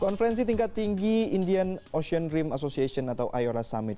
konferensi tingkat tinggi indian ocean dream association atau iora summit